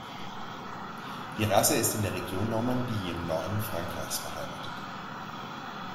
Die Rasse ist in der Region Normandie im Norden Frankreichs beheimatet.